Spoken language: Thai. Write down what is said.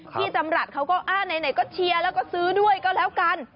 พี่จำรัฐเขาก็ไหนก็เชียร์แล้วก็ซื้อด้วยก็แล้วกัน